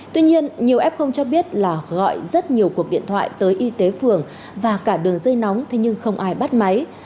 tuy nhiên nhiều f cho biết là gọi rất nhiều cuộc điện thoại tới y tế phường và cả đường dây nóng thế nhưng không ai bắt máy